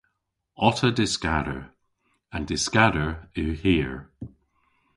Otta dyskador. An dyskador yw hir.